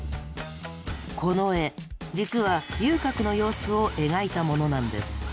この絵実は遊郭の様子を描いたものなんです。